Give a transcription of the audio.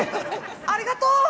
ありがとう！